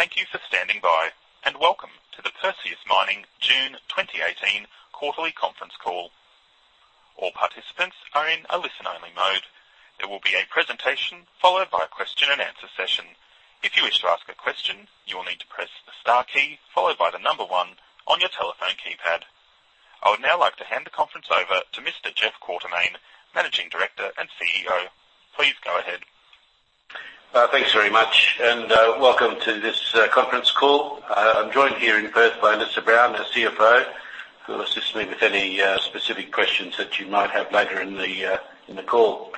Thank you for standing by, and welcome to the Perseus Mining June 2018 Quarterly Conference Call. All participants are in a listen-only mode. There will be a presentation followed by a question-and-answer session. If you wish to ask a question, you will need to press the star key followed by the number one on your telephone keypad. I would now like to hand the conference over to Mr. Jeff Quartermaine, Managing Director and CEO. Please go ahead. Thanks very much, and welcome to this conference call. I'm joined here in Perth by Lisa Brown, our CFO, who will assist me with any specific questions that you might have later in the call.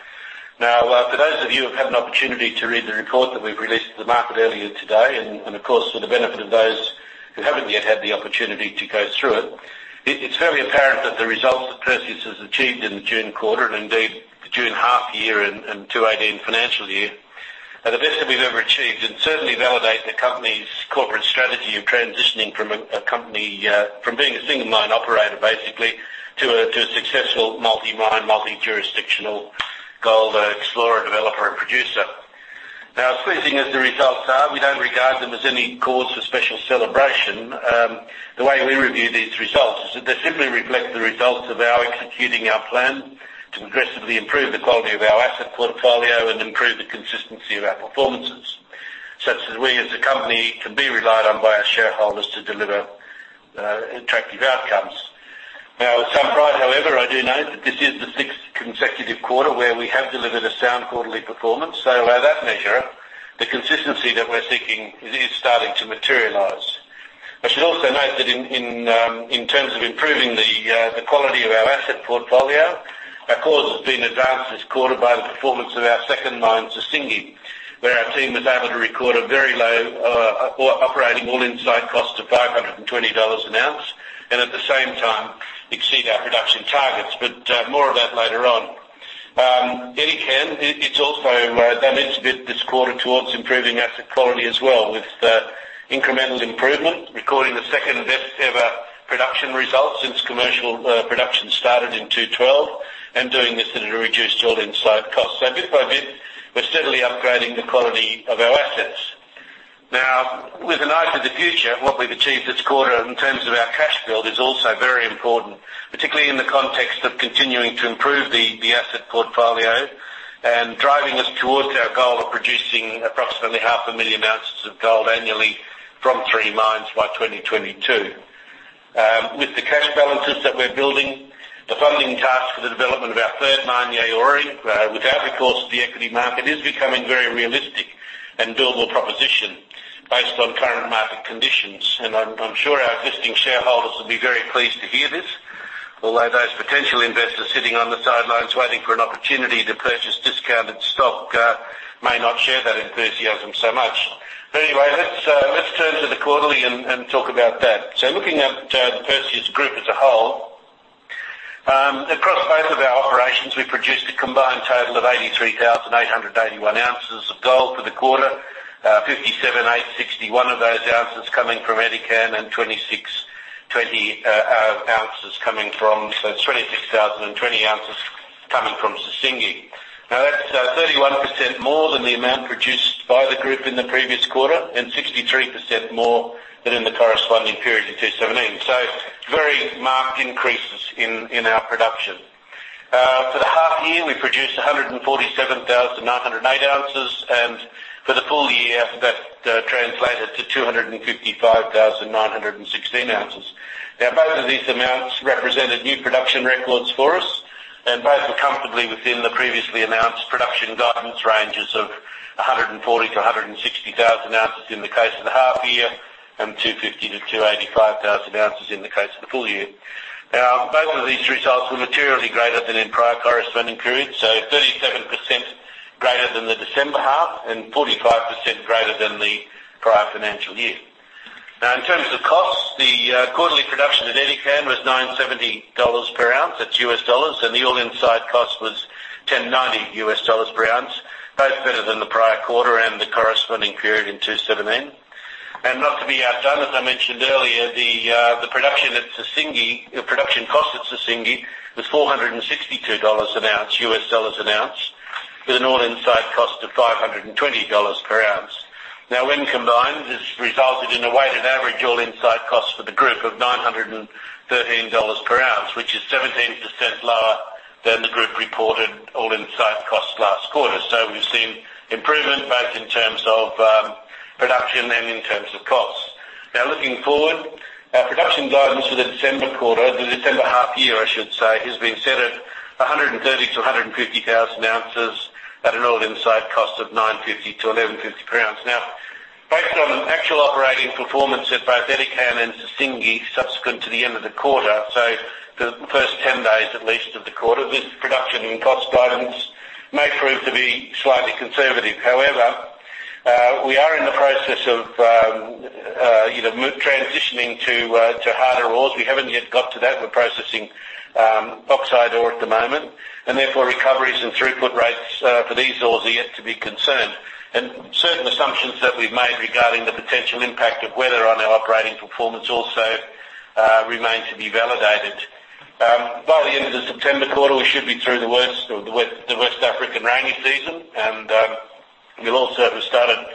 Now, for those of you who have had an opportunity to read the report that we've released to the market earlier today, and of course for the benefit of those who haven't yet had the opportunity to go through it, it's fairly apparent that the results that Perseus has achieved in the June quarter, and indeed the June half-year and 2018 financial year, are the best that we've ever achieved, and certainly validate the company's corporate strategy of transitioning from being a single mine operator basically to a successful multi-mine, multi-jurisdictional gold explorer, developer, and producer. Now, as pleasing as the results are, we don't regard them as any cause for special celebration. The way we review these results is that they simply reflect the results of our executing our plan to progressively improve the quality of our asset portfolio and improve the consistency of our performances, such that we as a company can be relied on by our shareholders to deliver attractive outcomes. Now, with some pride, however, I do note that this is the sixth consecutive quarter where we have delivered a sound quarterly performance, so that measure, the consistency that we're seeking, is starting to materialize. I should also note that in terms of improving the quality of our asset portfolio, our cause has been advanced this quarter by the performance of our second mine, Sissingué, where our team was able to record a very low operating all-in site cost of $520 an ounce, and at the same time exceed our production targets, but more of that later on. In the end, it's also that it's a bit this quarter towards improving asset quality as well, with incremental improvement, recording the second best ever production result since commercial production started in 2012, and doing this at a reduced all-in site cost. So bit by bit, we're steadily upgrading the quality of our assets. Now, with an eye to the future, what we've achieved this quarter in terms of our cash build is also very important, particularly in the context of continuing to improve the asset portfolio and driving us towards our goal of producing approximately 500,000 ounces of gold annually from three mines by 2022. With the cash balances that we're building, the funding task for the development of our third mine, Yaouré, without the force of the equity market, is becoming very realistic and doable proposition based on current market conditions. I'm sure our existing shareholders will be very pleased to hear this, although those potential investors sitting on the sidelines waiting for an opportunity to purchase discounted stock may not share that enthusiasm so much. Anyway, let's turn to the quarterly and talk about that. Looking at the Perseus Group as a whole, across both of our operations, we produced a combined total of 83,881 ounces of gold for the quarter, 57,861 of those ounces coming from Edikan, and 26,20 ounces coming from, so it's 26,020 ounces coming from Sissingué. Now, that's 31% more than the amount produced by the group in the previous quarter, and 63% more than in the corresponding period in 2017. Very marked increases in our production. For the half-year, we produced 147,908 ounces, and for the full year, that translated to 255,916 ounces. Now, both of these amounts represented new production records for us, and both were comfortably within the previously announced production guidance ranges of 140,000-160,000 ounces in the case of the half-year, and 250,000-285,000 ounces in the case of the full year. Now, both of these results were materially greater than in prior corresponding periods, so 37% greater than the December half, and 45% greater than the prior financial year. Now, in terms of costs, the quarterly production at Edikan was $9.70 per ounce, that's U.S. dollars, and the all-in site cost was $10.90 per ounce, both better than the prior quarter and the corresponding period in 2017. Not to be outdone, as I mentioned earlier, the production at Sissingué, the production cost at Sissingué, was $462 an ounce, U.S. dollars an ounce, with an all-in site cost of $520 per ounce. Now, when combined, this resulted in a weighted average all-inside cost for the group of $913 per ounce, which is 17% lower than the group reported all-inside cost last quarter. So we've seen improvement both in terms of production and in terms of cost. Now, looking forward, our production guidance for the December quarter, the December half-year, I should say, has been set at 130,000-150,000 ounces at an all-inside cost of $9.50-$11.50 per ounce. Now, based on actual operating performance at both Edikan and Sissingué subsequent to the end of the quarter, so the first 10 days at least of the quarter, this production and cost guidance may prove to be slightly conservative. However, we are in the process of transitioning to harder ores. We haven't yet got to that. We're processing oxide ore at the moment, and therefore recoveries and throughput rates for these ores are yet to be confirmed. And certain assumptions that we've made regarding the potential impact of weather on our operating performance also remain to be validated. By the end of the September quarter, we should be through the worst African rainy season, and we'll also have started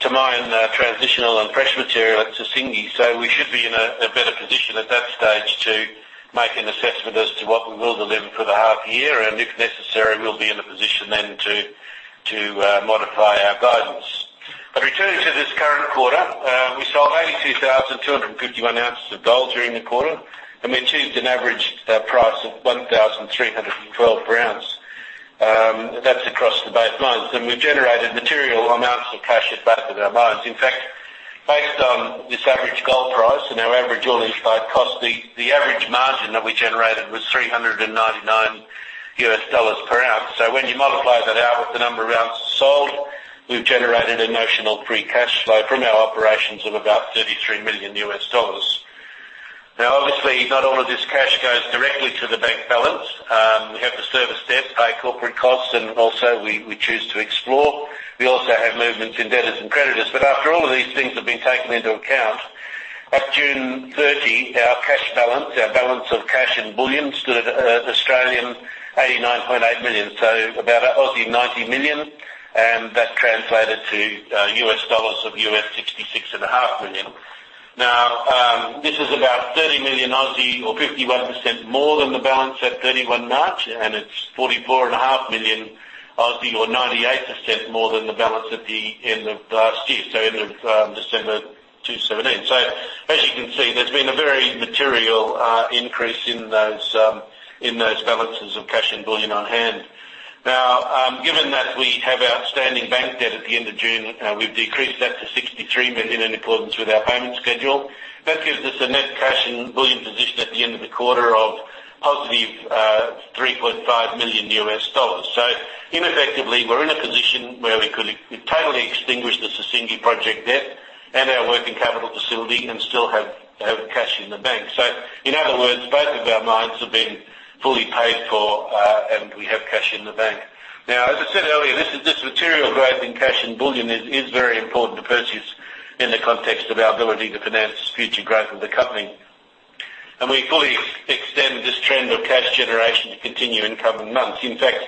to mine transitional and fresh material at Sissingué, so we should be in a better position at that stage to make an assessment as to what we will deliver for the half-year, and if necessary, we'll be in a position then to modify our guidance. But returning to this current quarter, we sold 82,251 ounces of gold during the quarter, and we achieved an average price of $1,312 per ounce. That's across the both mines, and we've generated material amounts of cash at both of our mines. In fact, based on this average gold price and our average all-in site cost, the average margin that we generated was $399 per ounce. So when you multiply that out with the number of ounces sold, we've generated a notional free cash flow from our operations of about $33 million. Now, obviously, not all of this cash goes directly to the bank balance. We have to service debt, pay corporate costs, and also we choose to explore. We also have movements in debtors and creditors. But after all of these things have been taken into account, at June 30, our cash balance, our balance of cash in bullion, stood at 89.8 million, so about 90 million, and that translated to U.S. dollars of $66.5 million. Now, this is about 30 million or 51% more than the balance at 31 March, and it's 44.5 million or 98% more than the balance at the end of last year, so end of December 2017. As you can see, there's been a very material increase in those balances of cash and bullion on hand. Now, given that we have outstanding bank debt at the end of June, we've decreased that to $63 million in accordance with our payment schedule. That gives us a net cash and bullion position at the end of the quarter of positive $3.5 million. Effectively, we're in a position where we could totally extinguish the Sissingué project debt and our working capital facility and still have cash in the bank. So in other words, both of our mines have been fully paid for, and we have cash in the bank. Now, as I said earlier, this material growth in cash and bullion is very important to Perseus in the context of our ability to finance future growth of the company. And we fully extend this trend of cash generation to continue in coming months. In fact,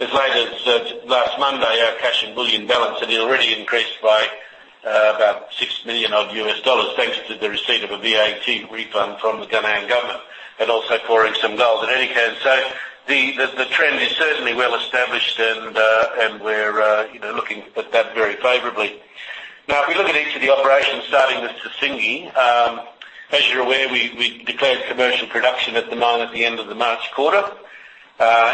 as late as last Monday, our cash and bullion balance had already increased by about $6 million, thanks to the receipt of a VAT refund from the Ghanaian government and also pouring some gold at Edikan. So the trend is certainly well established, and we're looking at that very favorably. Now, if we look at each of the operations starting with Sissingué, as you're aware, we declared commercial production at the mine at the end of the March quarter.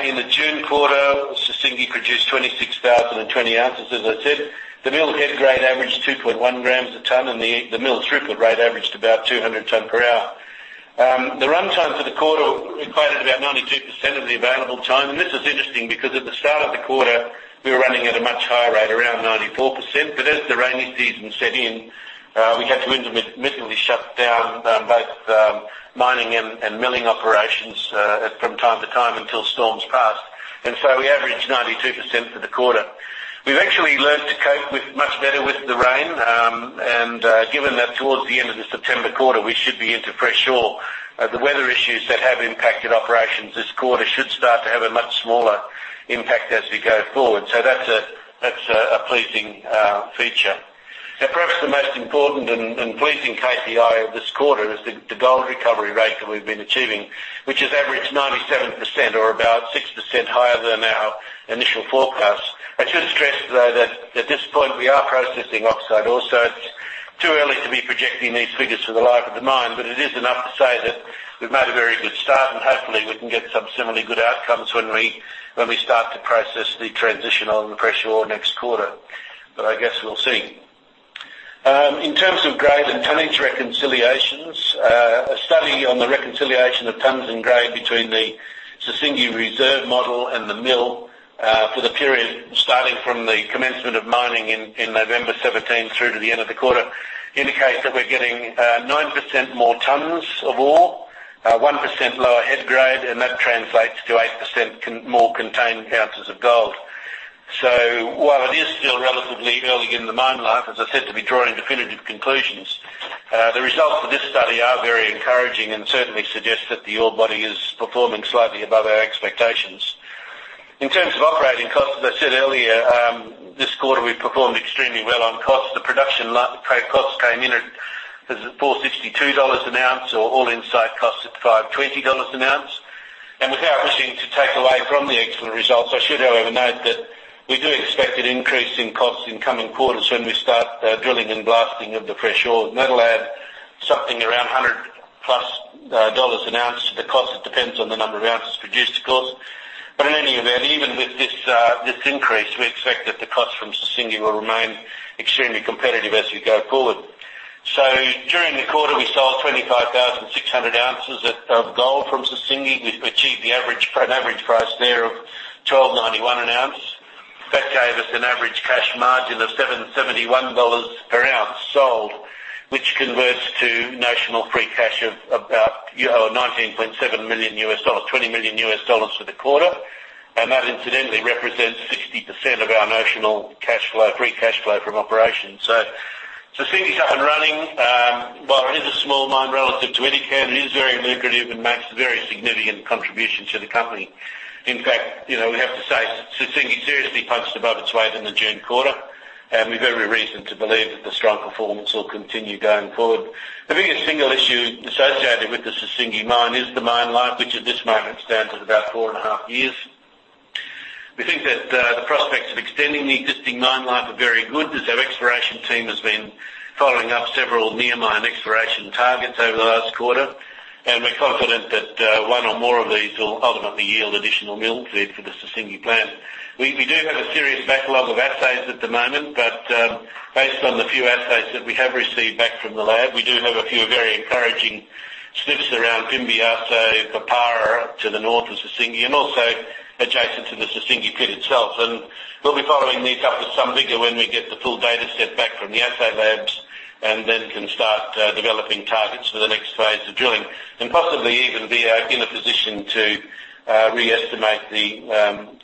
In the June quarter, Sissingué produced 26,020 ounces, as I said. The mill head grade averaged 2.1 grams a ton, and the mill throughput rate averaged about 200 tonnes per hour. The runtime for the quarter equated about 92% of the available time, and this is interesting because at the start of the quarter, we were running at a much higher rate, around 94%, but as the rainy season set in, we had to intermittently shut down both mining and milling operations from time to time until storms passed, and so we averaged 92% for the quarter. We've actually learned to cope much better with the rain, and given that towards the end of the September quarter, we should be into fresh ore. The weather issues that have impacted operations this quarter should start to have a much smaller impact as we go forward, so that's a pleasing feature. Now, perhaps the most important and pleasing KPI of this quarter is the gold recovery rate that we've been achieving, which has averaged 97% or about 6% higher than our initial forecast. I should stress, though, that at this point, we are processing oxide ore, so it's too early to be projecting these figures for the life of the mine, but it is enough to say that we've made a very good start, and hopefully, we can get some similarly good outcomes when we start to process the transitional and fresh ore next quarter. But I guess we'll see. In terms of grade and tonnage reconciliations, a study on the reconciliation of tonnes and grade between the Sissingué reserve model and the mill for the period starting from the commencement of mining in November 2017 through to the end of the quarter indicates that we're getting 9% more tonnes of ore, 1% lower head grade, and that translates to 8% more contained ounces of gold. So while it is still relatively early in the mine life, as I said, to be drawing definitive conclusions, the results of this study are very encouraging and certainly suggest that the ore body is performing slightly above our expectations. In terms of operating costs, as I said earlier, this quarter we've performed extremely well on cost. The production cost came in at $462 an ounce, or all-in site cost at $520 an ounce. Without wishing to take away from the excellent results, I should, however, note that we do expect an increase in costs in coming quarters when we start drilling and blasting of the fresh ore. That'll add something around $100+ an ounce. The cost, it depends on the number of ounces produced, of course. In any event, even with this increase, we expect that the cost from Sissingué will remain extremely competitive as we go forward. During the quarter, we sold 25,600 ounces of gold from Sissingué. We've achieved an average price there of $1,291 an ounce. That gave us an average cash margin of $771 per ounce sold, which converts to notional free cash of about $19.7 million, $20 million for the quarter. That, incidentally, represents 60% of our notional free cash flow from operations. Sissingué's up and running. While it is a small mine relative to Edikan, it is very lucrative and makes a very significant contribution to the company. In fact, we have to say Sissingué seriously punched above its weight in the June quarter, and we've every reason to believe that the strong performance will continue going forward. The biggest single issue associated with the Sissingué mine is the mine life, which at this moment stands at about four and a half years. We think that the prospects of extending the existing mine life are very good, as our exploration team has been following up several near-mine exploration targets over the last quarter, and we're confident that one or more of these will ultimately yield additional milling feed for the Sissingué plant. We do have a serious backlog of assays at the moment, but based on the few assays that we have received back from the lab, we do have a few very encouraging sniffs around Fimbiasso, Papara to the north of Sissingué, and also adjacent to the Sissingué pit itself. We'll be following these up with some vigor when we get the full dataset back from the assay labs and then can start developing targets for the next phase of drilling, and possibly even be in a position to re-estimate the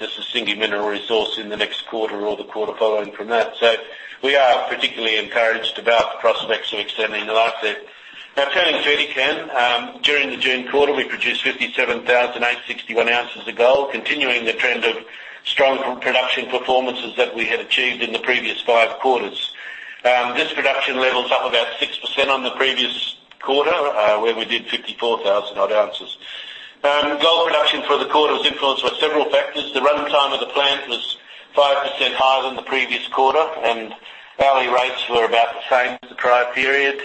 Sissingué mineral resource in the next quarter or the quarter following from that. We are particularly encouraged about the prospects of extending the life there. Now, turning to Edikan, during the June quarter, we produced 57,861 ounces of gold, continuing the trend of strong production performances that we had achieved in the previous five quarters. This production level's up about 6% on the previous quarter, where we did 54,000-odd ounces. Gold production for the quarter was influenced by several factors. The runtime of the plant was 5% higher than the previous quarter, and hourly rates were about the same as the prior period.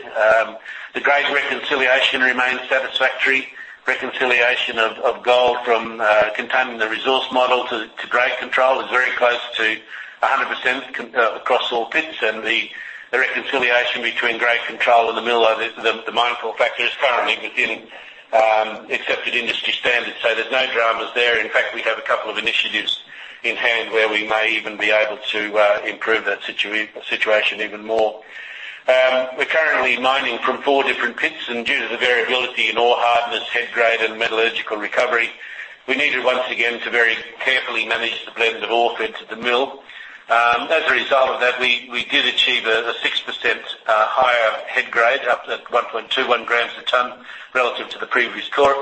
The grade reconciliation remained satisfactory. Reconciliation of gold from the contained resource model to grade control is very close to 100% across all pits, and the reconciliation between grade control and the mill, the Mine Call Factor, is currently within accepted industry standards, so there's no dramas there. In fact, we have a couple of initiatives in hand where we may even be able to improve that situation even more. We're currently mining from four different pits, and due to the variability in ore hardness, head grade, and metallurgical recovery, we needed once again to very carefully manage the blend of ore fed to the mill. As a result of that, we did achieve a 6% higher head grade, up at 1.21 grams a tonne relative to the previous quarter.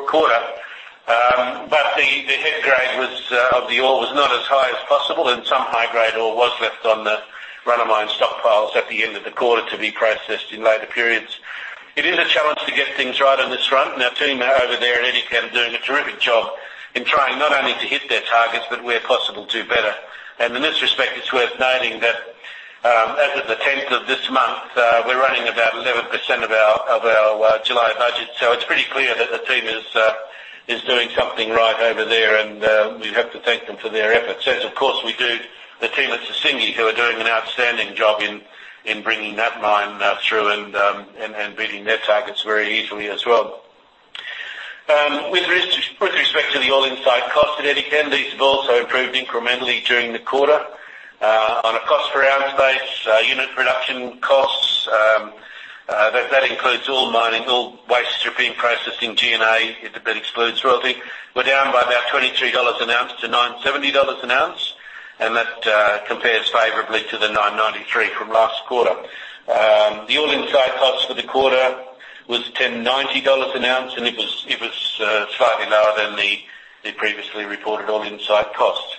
But the head grade of the ore was not as high as possible, and some high-grade ore was left on the run-of-mine stockpiles at the end of the quarter to be processed in later periods. It is a challenge to get things right on this front. Now, team over there at Edikan are doing a terrific job in trying not only to hit their targets, but where possible, do better. In this respect, it's worth noting that as of the 10th of this month, we're running about 11% of our July budget, so it's pretty clear that the team is doing something right over there, and we have to thank them for their efforts. Of course, we do the team at Sissingué who are doing an outstanding job in bringing that mine through and beating their targets very easily as well. With respect to the all-in site cost at Edikan, these have also improved incrementally during the quarter. On a cost-per-ounce basis, unit production costs, that includes all waste development processing G&A, that excludes royalty, we're down by about $23 an ounce to $9.70 an ounce, and that compares favorably to the $9.93 from last quarter. The all-in site cost for the quarter was $10.90 an ounce, and it was slightly lower than the previously reported all-in site cost.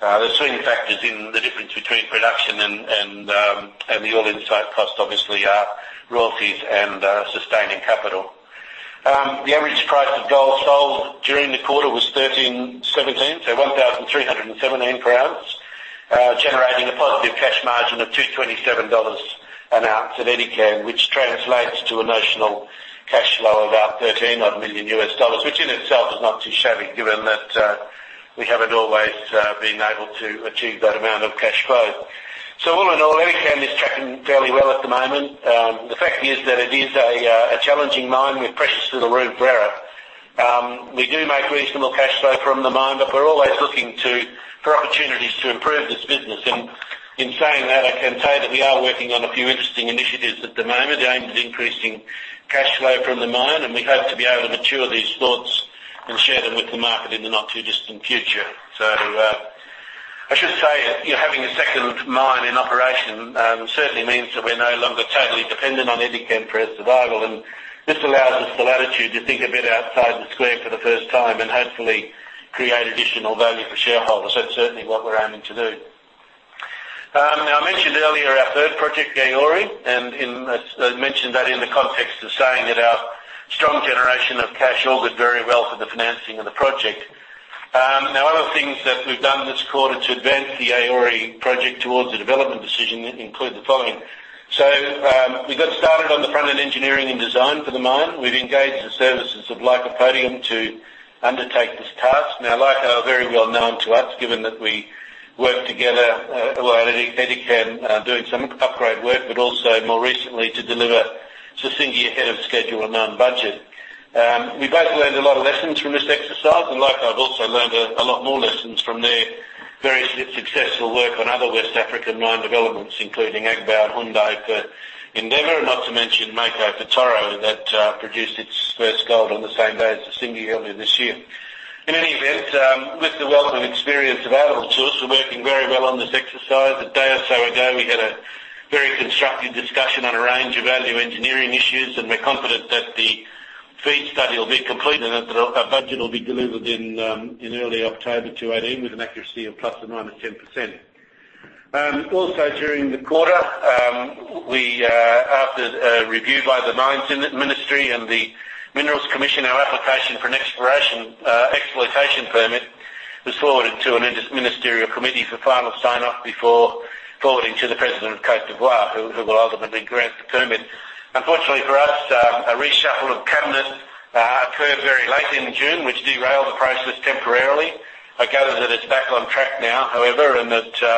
The swing factors in the difference between production and the all-in site cost obviously are royalties and sustaining capital. The average price of gold sold during the quarter was $1,317, so $1,317 per ounce, generating a positive cash margin of $227 an ounce at Edikan, which translates to a notional cash flow of about $13 million, which in itself is not too shabby given that we haven't always been able to achieve that amount of cash flow. So all in all, Edikan is tracking fairly well at the moment. The fact is that it is a challenging mine with precious little room for error. We do make reasonable cash flow from the mine, but we're always looking for opportunities to improve this business. In saying that, I can tell you that we are working on a few interesting initiatives at the moment, aimed at increasing cash flow from the mine, and we hope to be able to mature these thoughts and share them with the market in the not too distant future. I should say having a second mine in operation certainly means that we're no longer totally dependent on Edikan for our survival, and this allows us the latitude to think a bit outside the square for the first time and hopefully create additional value for shareholders. That's certainly what we're aiming to do. Now, I mentioned earlier our third project, Yaouré, and I mentioned that in the context of saying that our strong generation of cashflow did very well for the financing of the project. Now, other things that we've done this quarter to advance the Yaouré project towards the development decision include the following. So we got started on the front-end engineering and design for the mine. We've engaged the services of Lycopodium to undertake this task. Now, Lyco, very well known to us, given that we work together at Edikan doing some upgrade work, but also more recently to deliver Sissingué ahead of schedule and on budget. We both learned a lot of lessons from this exercise, and Lyco, I've also learned a lot more lessons from their very successful work on other West African mine developments, including Agbaou and Houndé for Endeavour, and not to mention Mako for Toro, that produced its first gold on the same day as Sissingué earlier this year. In any event, with the wealth of experience available to us, we're working very well on this exercise. A day or so ago, we had a very constructive discussion on a range of value engineering issues, and we're confident that the feed study will be complete and that a budget will be delivered in early October 2018 with an accuracy of plus or minus 10%. Also, during the quarter, after review by the Mines Ministry and the Minerals Commission, our application for an exploitation permit was forwarded to a ministerial committee for final sign-off before forwarding to the President of Côte d'Ivoire, who will ultimately grant the permit. Unfortunately for us, a reshuffle of cabinet occurred very late in June, which derailed the process temporarily. I gather that it's back on track now, however, and that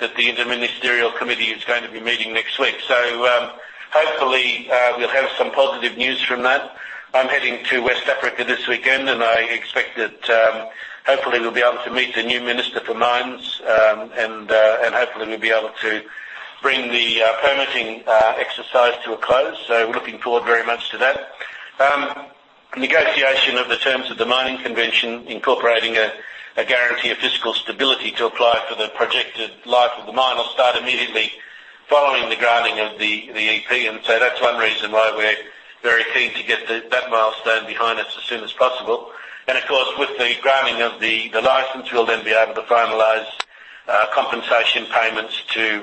the interministerial committee is going to be meeting next week. So hopefully, we'll have some positive news from that. I'm heading to West Africa this weekend, and I expect that hopefully we'll be able to meet the new Minister for Mines, and hopefully we'll be able to bring the permitting exercise to a close. So we're looking forward very much to that. Negotiation of the terms of the Mining Convention, incorporating a guarantee of fiscal stability to apply for the projected life of the mine, will start immediately following the granting of the EP. And so that's one reason why we're very keen to get that milestone behind us as soon as possible. And of course, with the granting of the license, we'll then be able to finalize compensation payments to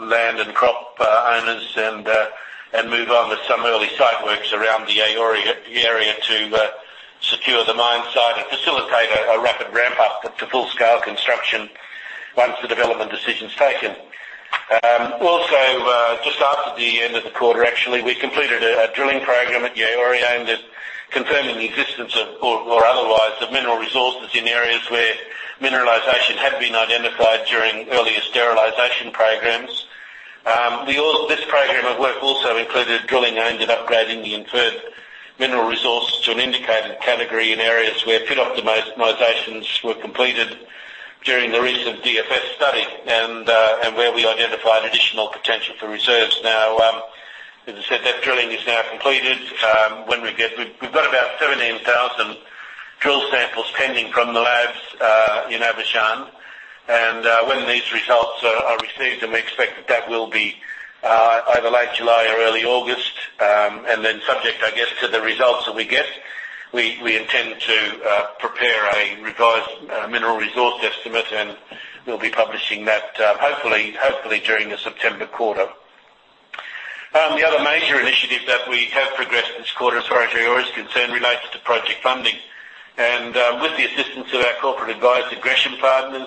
land and crop owners and move on with some early site works around the Ahouri area to secure the mine site and facilitate a rapid ramp-up to full-scale construction once the development decision's taken. Also, just after the end of the quarter, actually, we completed a drilling program at Yaouré aimed at confirming the existence of, or otherwise, of mineral resources in areas where mineralization had been identified during earlier sterilization programs. This program of work also included drilling aimed at upgrading the inferred mineral resource to an indicated category in areas where pit optimizations were completed during the recent DFS study and where we identified additional potential for reserves. Now, as I said, that drilling is now completed. We've got about 17,000 drill samples pending from the labs in Abidjan, and when these results are received, we expect that that will be either late July or early August. And then subject, I guess, to the results that we get, we intend to prepare a revised mineral resource estimate, and we'll be publishing that hopefully during the September quarter. The other major initiative that we have progressed this quarter, as far as Yaouré is concerned, relates to project funding. With the assistance of our corporate advisor, Gresham Partners,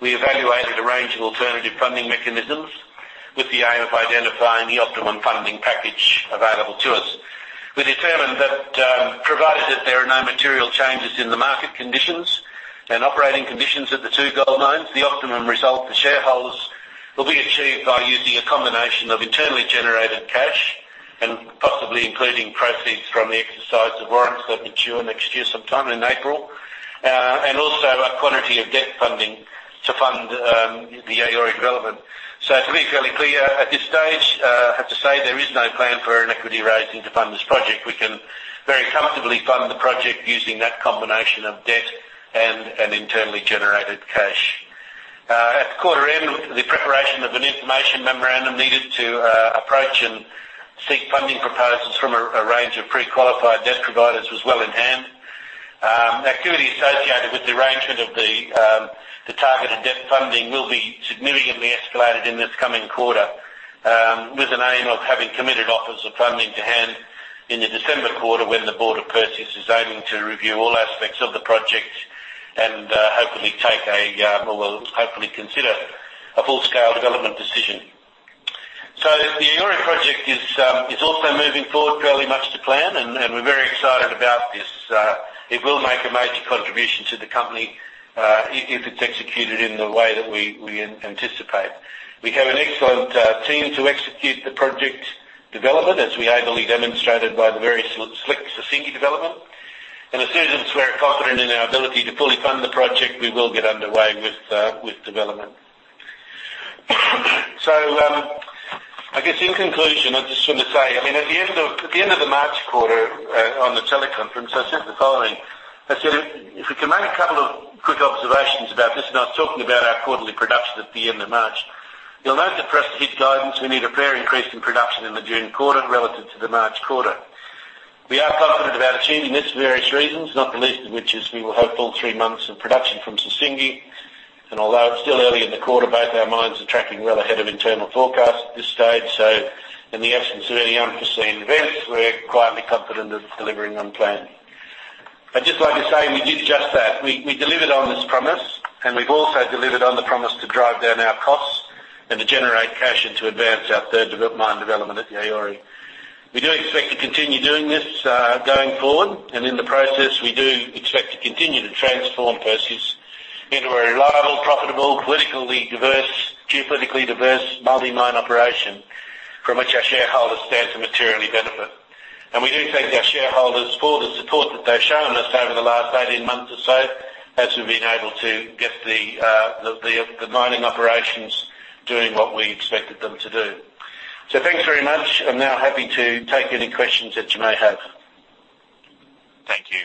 we evaluated a range of alternative funding mechanisms with the aim of identifying the optimum funding package available to us. We determined that, provided that there are no material changes in the market conditions and operating conditions at the two gold mines, the optimum result for shareholders will be achieved by using a combination of internally generated cash and possibly including proceeds from the exercise of warrants that mature next year sometime in April, and also a quantity of debt funding to fund the Yaouré development. To be fairly clear, at this stage, I have to say there is no plan for an equity raising to fund this project. We can very comfortably fund the project using that combination of debt and internally generated cash. At the quarter end, the preparation of an information memorandum needed to approach and seek funding proposals from a range of pre-qualified debt providers was well in hand. Activity associated with the arrangement of the targeted debt funding will be significantly escalated in this coming quarter, with an aim of having committed offers of funding to hand in the December quarter when the board of Perseus is aiming to review all aspects of the project and hopefully take a FID and consider a full-scale development decision. The Yaouré project is also moving forward fairly much to plan, and we're very excited about this. It will make a major contribution to the company if it's executed in the way that we anticipate. We have an excellent team to execute the project development, as we ably demonstrated by the very slick Sissingué development. And as soon as we're confident in our ability to fully fund the project, we will get underway with development. So I guess in conclusion, I just want to say, I mean, at the end of the March quarter, on the teleconference, I said the following. I said, "If we can make a couple of quick observations about this," and I was talking about our quarterly production at the end of March. "You'll note that for us to hit guidance, we need a fair increase in production in the June quarter relative to the March quarter. We are confident about achieving this for various reasons, not the least of which is we will have full three months of production from Sissingué. And although it's still early in the quarter, both our mines are tracking well ahead of internal forecasts at this stage, so in the absence of any unforeseen events, we're quietly confident of delivering on plan." I'd just like to say we did just that. We delivered on this promise, and we've also delivered on the promise to drive down our costs and to generate cash and to advance our third mine development at Yaouré. We do expect to continue doing this going forward, and in the process, we do expect to continue to transform Perseus into a reliable, profitable, geographically diverse, geopolitically diverse multi-mine operation from which our shareholders stand to materially benefit. We do thank our shareholders for the support that they've shown us over the last 18 months or so as we've been able to get the mining operations doing what we expected them to do. So thanks very much. I'm now happy to take any questions that you may have. Thank you.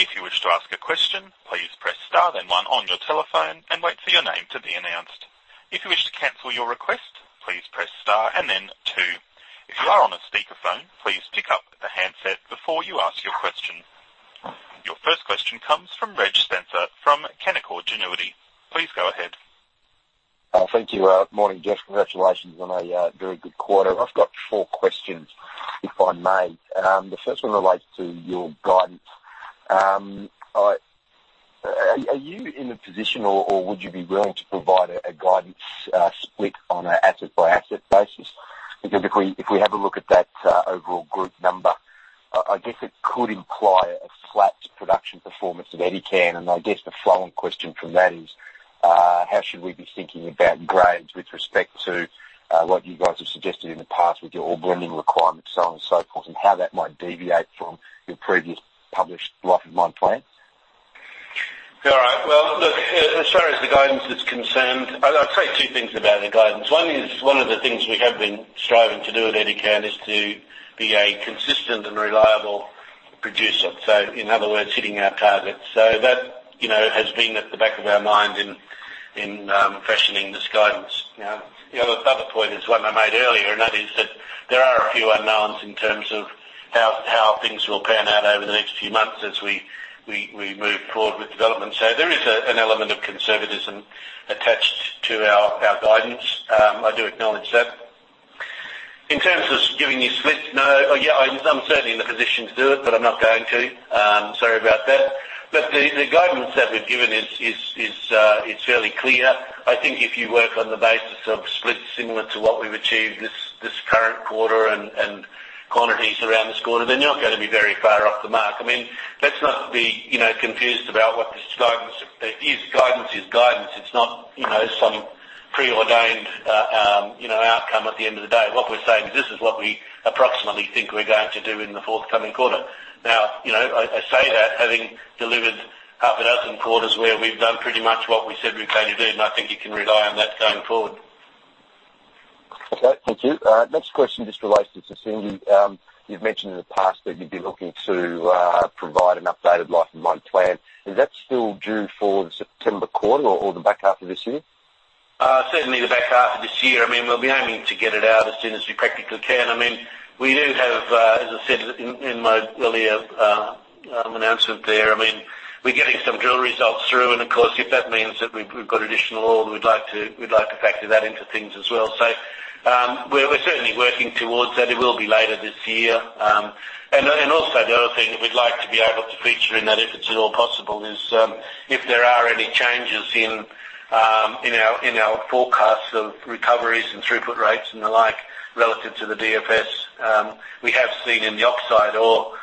If you wish to ask a question, please press star then one on your telephone and wait for your name to be announced. If you wish to cancel your request, please press star and then two. If you are on a speakerphone, please pick up the handset before you ask your question. Your first question comes from Reg Spencer from Canaccord Genuity. Please go ahead. Thank you, Jeff. Congratulations on a very good quarter. I've got four questions, if I may. The first one relates to your guidance. Are you in a position, or would you be willing to provide a guidance split on an asset-by-asset basis? Because if we have a look at that overall group number, I guess it could imply a flat production performance of Edikan. And I guess the following question from that is, how should we be thinking about grades with respect to what you guys have suggested in the past with your ore-blending requirements, so on and so forth, and how that might deviate from your previous published life of mine plans? All right. Well, look, as far as the guidance is concerned, I'll say two things about the guidance. One is one of the things we have been striving to do at Edikan is to be a consistent and reliable producer. So in other words, hitting our targets. So that has been at the back of our mind in fashioning this guidance. The other point is one I made earlier, and that is that there are a few unknowns in terms of how things will pan out over the next few months as we move forward with development. So there is an element of conservatism attached to our guidance. I do acknowledge that. In terms of giving you splits, no. I'm certainly in a position to do it, but I'm not going to. Sorry about that. But the guidance that we've given is fairly clear. I think if you work on the basis of splits similar to what we've achieved this current quarter and quantities around this quarter, then you're not going to be very far off the mark. I mean, let's not be confused about what this guidance is. Guidance is guidance. It's not some preordained outcome at the end of the day. What we're saying is this is what we approximately think we're going to do in the forthcoming quarter. Now, I say that having delivered half a dozen quarters where we've done pretty much what we said we're going to do, and I think you can rely on that going forward. Okay. Thank you. Next question just relates to Sissingué. You've mentioned in the past that you'd be looking to provide an updated life of mine plan. Is that still due for the September quarter or the back half of this year? Certainly the back half of this year. I mean, we'll be aiming to get it out as soon as we practically can. I mean, we do have, as I said in my earlier announcement there, I mean, we're getting some drill results through, and of course, if that means that we've got additional ore, we'd like to factor that into things as well. So we're certainly working towards that. It will be later this year. And also, the other thing that we'd like to be able to feature in that, if it's at all possible, is if there are any changes in our forecasts of recoveries and throughput rates and the like relative to the DFS. We have seen in the oxide ore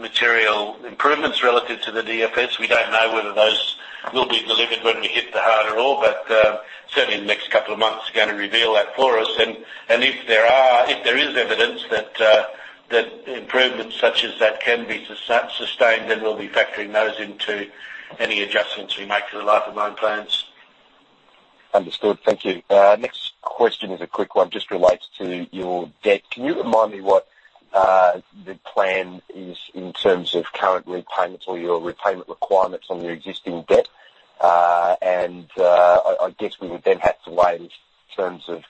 material improvements relative to the DFS. We don't know whether those will be delivered when we hit the harder ore, but certainly in the next couple of months, it's going to reveal that for us, and if there is evidence that improvements such as that can be sustained, then we'll be factoring those into any adjustments we make to the life of mine plans. Understood. Thank you. Next question is a quick one. Just relates to your debt. Can you remind me what the plan is in terms of current repayments or your repayment requirements on your existing debt? And I guess we would then have to weigh this in terms of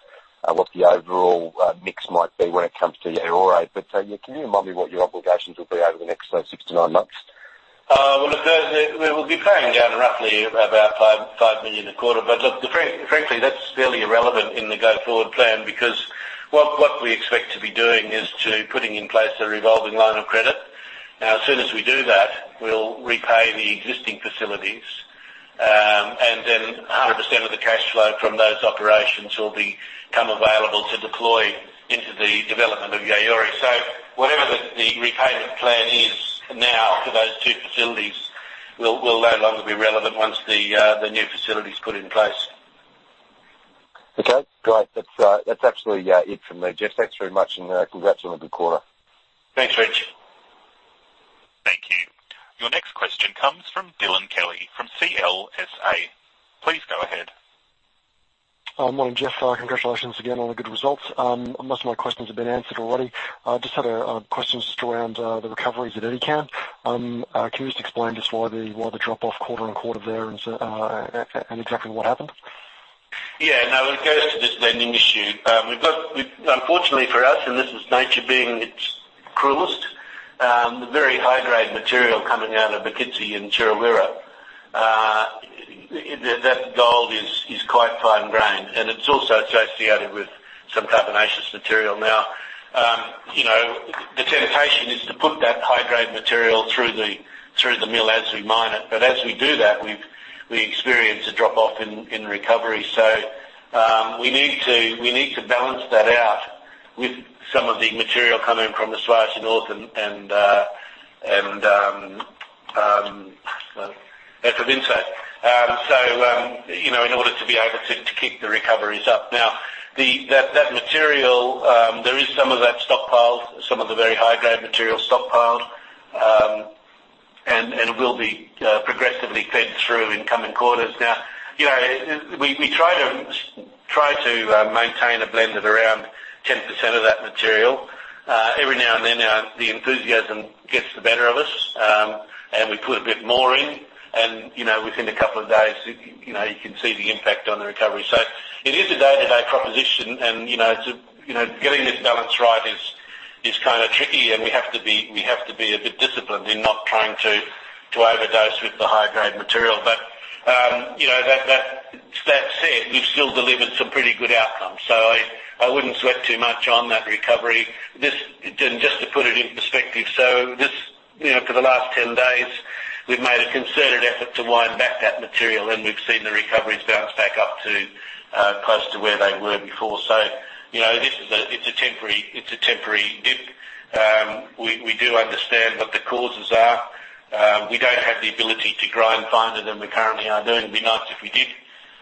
what the overall mix might be when it comes to Yaouré. But can you remind me what your obligations will be over the next six to nine months? We will be paying down roughly about $5 million a quarter. But look, frankly, that's fairly irrelevant in the go forward plan because what we expect to be doing is putting in place a revolving line of credit. Now, as soon as we do that, we'll repay the existing facilities, and then 100% of the cash flow from those operations will become available to deploy into the development of Yaouré. So whatever the repayment plan is now for those two facilities, we'll no longer be relevant once the new facilities put in place. Okay. Great. That's absolutely it from me, Jeff. Thanks very much, and congrats on a good quarter. Thanks, Reg. Thank you. Your next question comes from Dylan Kelly from CLSA. Please go ahead. Good morning, Jeff. Congratulations again on the good results. Most of my questions have been answered already. I just had a question just around the recoveries at Edikan. Can you just explain just why the drop-off quarter on quarter there and exactly what happened? Yeah. No, when it goes to this lending issue, unfortunately for us, and this is nature being its cruelest, the very high-grade material coming out of Akissou and Chirawewa, that gold is quite fine grain, and it's also associated with some carbonaceous material. Now, the temptation is to put that high-grade material through the mill as we mine it, but as we do that, we experience a drop-off in recovery. So we need to balance that out with some of the material coming from the Soares North and Fobinso. So in order to be able to keep the recoveries up. Now, that material, there is some of that stockpiled, some of the very high-grade material stockpiled, and it will be progressively fed through in coming quarters. Now, we try to maintain a blended around 10% of that material. Every now and then, the enthusiasm gets the better of us, and we put a bit more in, and within a couple of days, you can see the impact on the recovery. So it is a day-to-day proposition, and getting this balance right is kind of tricky, and we have to be a bit disciplined in not trying to overdose with the high-grade material. But that said, we've still delivered some pretty good outcomes. So I wouldn't sweat too much on that recovery. Just to put it in perspective, so for the last 10 days, we've made a concerted effort to wind back that material, and we've seen the recoveries bounce back up to close to where they were before. So it's a temporary dip. We do understand what the causes are. We don't have the ability to grind finer than we currently are doing. It'd be nice if we did,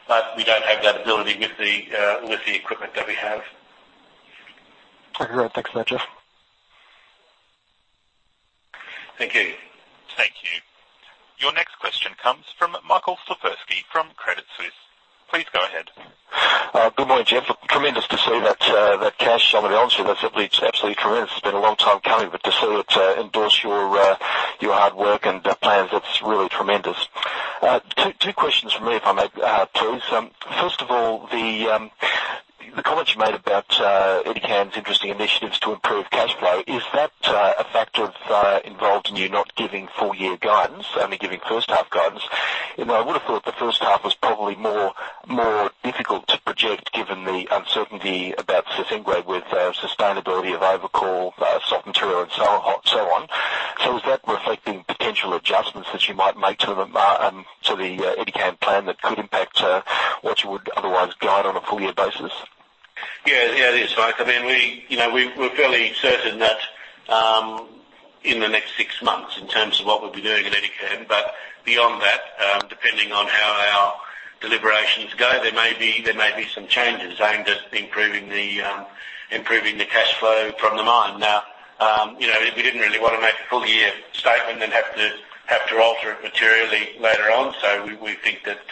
but we don't have that ability with the equipment that we have. I hear that. Thanks for that, Jeff. Thank you. Thank you. Your next question comes from Michael Slifirski from Credit Suisse. Please go ahead. Good morning, Jeff. Tremendous to see that cash, I'll be honest with you. That's absolutely tremendous. It's been a long time coming, but to see it endorse your hard work and plans, that's really tremendous. Two questions from me, if I may, please. First of all, the comments you made about Edikan's interesting initiatives to improve cash flow, is that a factor involved in you not giving full-year guidance, only giving first-half guidance? I would have thought the first half was probably more difficult to project given the uncertainty about Sissingué with sustainability of overcall, soft material, and so on. So is that reflecting potential adjustments that you might make to the Edikan plan that could impact what you would otherwise guide on a full-year basis? Yeah, it is, Mike. I mean, we're fairly certain that in the next six months in terms of what we'll be doing at Edikan. But beyond that, depending on how our deliberations go, there may be some changes aimed at improving the cash flow from the mine. Now, we didn't really want to make a full-year statement and have to alter it materially later on. So we think that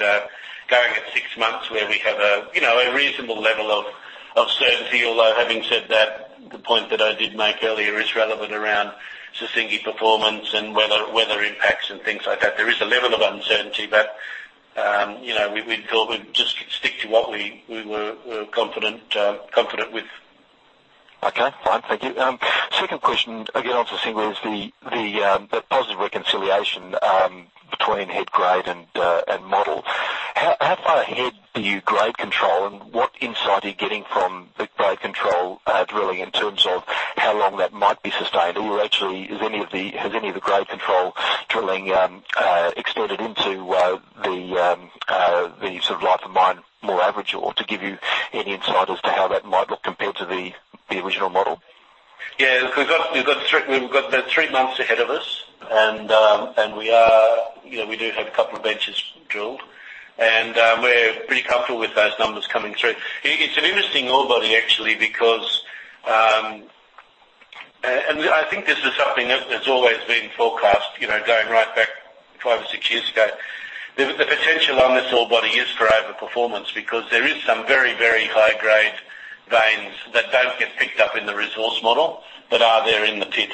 going at six months where we have a reasonable level of certainty, although having said that, the point that I did make earlier is relevant around Sissingué performance and weather impacts and things like that. There is a level of uncertainty, but we thought we'd just stick to what we were confident with. Okay. Fine. Thank you. Second question, again, on Sissingué is the positive reconciliation between head grade and model. How far ahead do you grade control, and what insight are you getting from the grade control drilling in terms of how long that might be sustained? Is any of the grade control drilling extended into the sort of life of mine more average, or to give you any insight as to how that might look compared to the original model? Yeah. Look, we've got the three months ahead of us, and we do have a couple of benches drilled, and we're pretty comfortable with those numbers coming through. It's an interesting ore body, actually, because I think this is something that has always been forecast going right back five or six years ago. The potential on this ore body is for overperformance because there are some very, very high-grade veins that don't get picked up in the resource model but are there in the pit.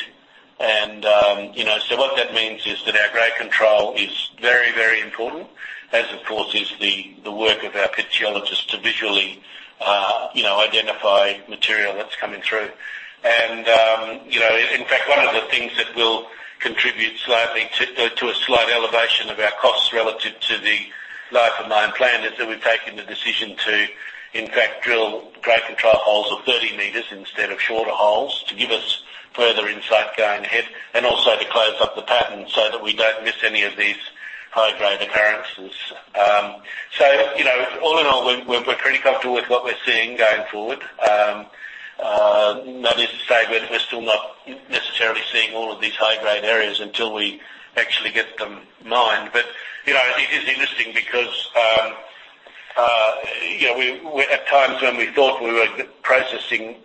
And so what that means is that our grade control is very, very important, as of course is the work of our pit geologists to visually identify material that's coming through. In fact, one of the things that will contribute slightly to a slight elevation of our costs relative to the life of mine plan is that we've taken the decision to, in fact, drill grade control holes of 30 meters instead of shorter holes to give us further insight going ahead and also to close up the pattern so that we don't miss any of these high-grade occurrences. All in all, we're pretty comfortable with what we're seeing going forward. That is to say, we're still not necessarily seeing all of these high-grade areas until we actually get them mined. It is interesting because at times when we thought we were processing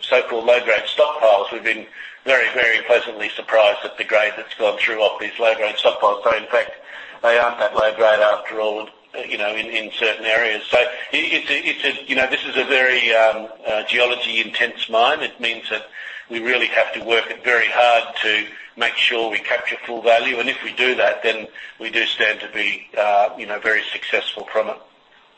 so-called low-grade stockpiles, we've been very, very pleasantly surprised at the grade that's gone through off these low-grade stockpiles. In fact, they aren't that low-grade after all in certain areas. This is a very geology-intense mine. It means that we really have to work very hard to make sure we capture full value. If we do that, then we do stand to be very successful from it.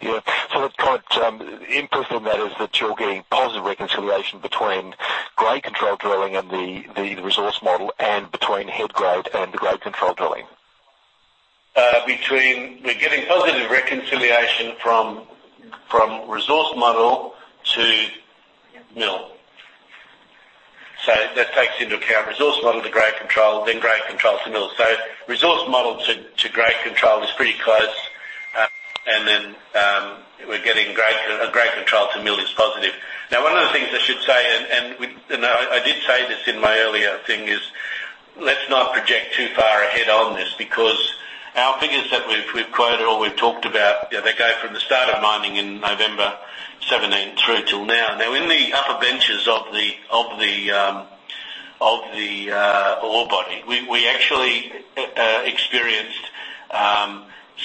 Yeah, so the kind of input from that is that you're getting positive reconciliation between grade control drilling and the resource model and between head grade and the grade control drilling? We're getting positive reconciliation from resource model to mill. So that takes into account resource model to grade control, then grade control to mill. So resource model to grade control is pretty close, and then we're getting a grade control to mill is positive. Now, one of the things I should say, and I did say this in my earlier thing, is let's not project too far ahead on this because our figures that we've quoted or we've talked about, they go from the start of mining in November 2017 through till now. Now, in the upper benches of the ore body, we actually experienced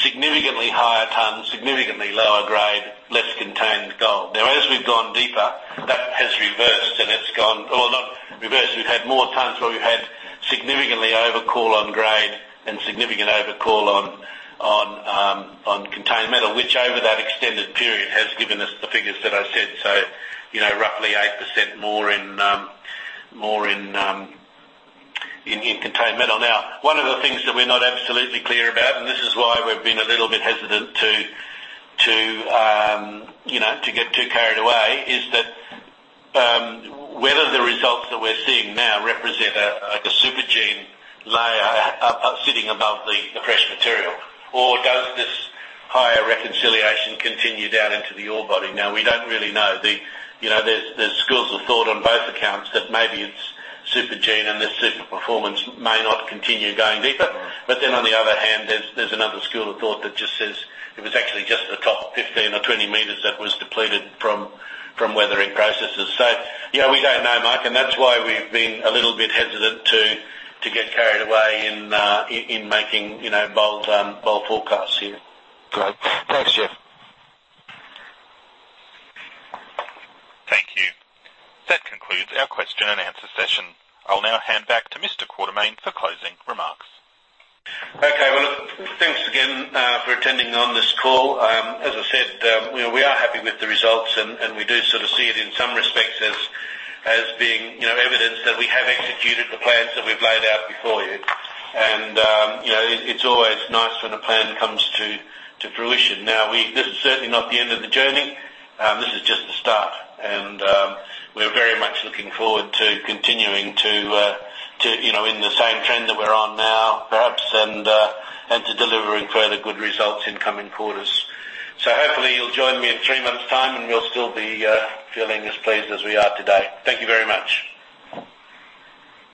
significantly higher tons, significantly lower grade, less contained gold. Now, as we've gone deeper, that has reversed, and it's gone well, not reversed. We've had more tons where we've had significantly overcall on grade and significant overcall on contained metal, which over that extended period has given us the figures that I said. So roughly 8% more in contained metal. Now, one of the things that we're not absolutely clear about, and this is why we've been a little bit hesitant to get too carried away, is that whether the results that we're seeing now represent a supergene layer sitting above the fresh material, or does this higher reconciliation continue down into the ore body? Now, we don't really know. There's schools of thought on both accounts that maybe it's supergene and this super performance may not continue going deeper. But then on the other hand, there's another school of thought that just says it was actually just the top 15 or 20 meters that was depleted from weathering processes. So yeah, we don't know, Mike, and that's why we've been a little bit hesitant to get carried away in making bold forecasts here. Great. Thanks, Jeff. Thank you. That concludes our question and answer session. I'll now hand back to Mr. Quartermaine for closing remarks. Okay. Well, thanks again for attending on this call. As I said, we are happy with the results, and we do sort of see it in some respects as being evidence that we have executed the plans that we've laid out before you. And it's always nice when a plan comes to fruition. Now, this is certainly not the end of the journey. This is just the start, and we're very much looking forward to continuing to in the same trend that we're on now, perhaps, and to delivering further good results in coming quarters. So hopefully, you'll join me in three months' time, and we'll still be feeling as pleased as we are today. Thank you very much.